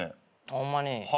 ホンマに？